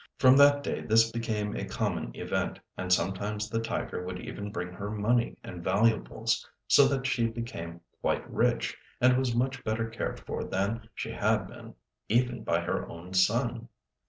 From that day this became a common event, and sometimes the tiger would even bring her money and valuables, so that she became quite rich, and was much better cared for than she had been even by her own son.